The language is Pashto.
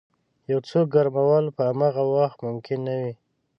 یو څوک ګرمول په همغه وخت ممکن نه وي.